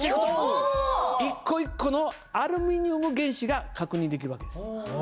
一個一個のアルミニウム原子が確認できる訳です。